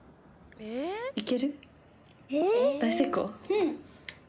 うん。